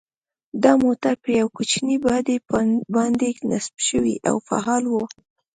دا موټر په یوې کوچنۍ باډۍ باندې نصب شوی او فعال و.